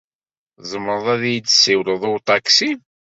Tzemreḍ ad yi-tessiwleḍ i uṭaksi?